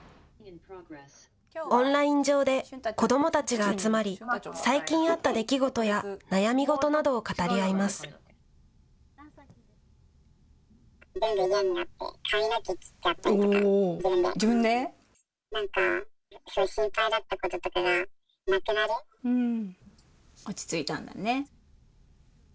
オンライン上で子どもたちが集まり、最近あった出来事や悩み事などを語り合います。